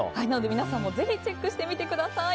皆さんもぜひチェックしてみてください。